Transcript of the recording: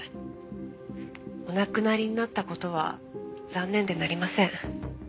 お亡くなりになった事は残念でなりません。